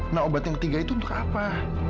nah obat yang ketiga itu untuk apa